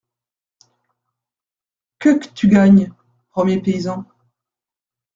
Que qu' tu gagnes ? premier paysan .